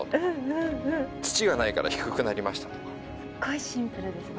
すっごいシンプルですね。